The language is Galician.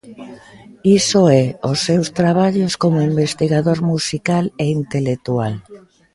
Iso e os seus traballos como investigador musical e intelectual.